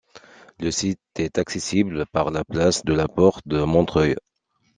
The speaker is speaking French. Le site est accessible par la place de la Porte-de-Montreuil.